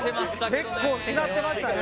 結構しなってましたね